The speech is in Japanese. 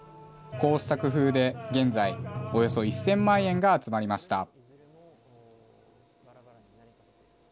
こうした工夫で、現在、およそ１０００万円が集まりました。